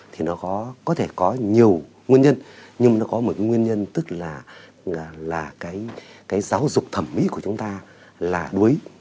thì nó có thể có nhiều nguyên nhân nhưng mà nó có một cái nguyên nhân tức là cái giáo dục thẩm mỹ của chúng ta là đuối